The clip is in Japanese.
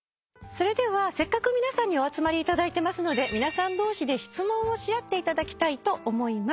それではせっかく皆さんにお集まりいただいてますので皆さん同士で質問をし合っていただきたいと思います。